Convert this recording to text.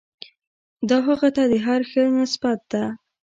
دا هغه ته د هر ښه نسبت ده.